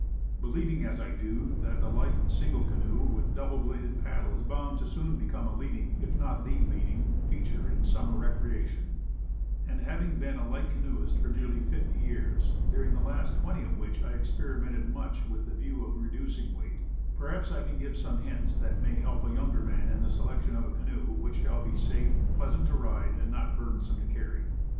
Believing, as I do, that the light, single canoe with double bladed paddle is bound to soon become a leading if not the leading feature in summer recreation, and having been a light canoeist fol nearly fifty years, during the last twenty of which ] experimented much with the view of reducing weight, perhaps I can give some hints that may help 3 younger man in the selection of a canoe which shal) Experiments. 1 3 3 be safe, pleasant to ride, and not burdensome to carry.